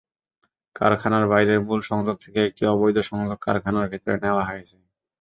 কারখানার বাইরের মূল সংযোগ থেকে একটি অবৈধ সংযোগ কারখানার ভেতরে নেওয়া হয়েছে।